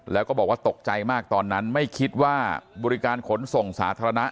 แล้วก็บอกว่าตกใจมากตอนนั้นไม่คิดว่าบริการขนส่งสาธารณะ